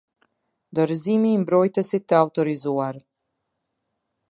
Dorëzimi i mbrojtësit të autorizuar.